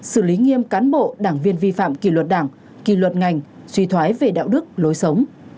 xử lý nghiêm cán bộ đảng viên vi phạm kỳ luật đảng kỳ luật ngành suy thoái về đạo đức lối sống